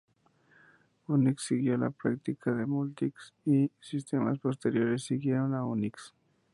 Unix siguió la práctica de Multics, y sistemas posteriores siguieron a Unix.